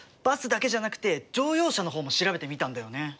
バスだけじゃなくて乗用車の方も調べてみたんだよね。